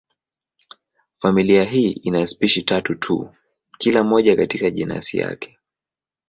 Familia hii ina spishi tatu tu, kila moja katika jenasi yake.